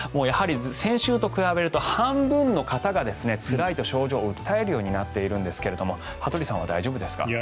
やはり先週と比べると半分の方がつらいと症状を訴えるようになっているんですが羽鳥さんは大丈夫ですか？